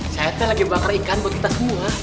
saya lagi bakar ikan buat kita semua